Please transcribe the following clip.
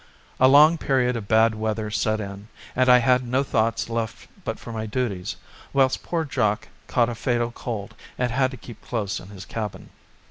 A long period of bad weather set in and I had no thoughts left but for my duties, whilst poor Jacques caught a fatal cold and had to keep close in his cabin.